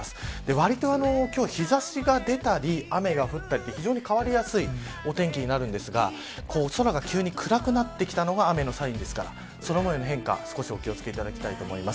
わりと今日は、日差しが出たり雨が降ったりと非常に変わりやすいお天気になるんですが空が急に暗くなってきたのは雨のサインですからそのあたりの変化に気を付けていただきたいと思います。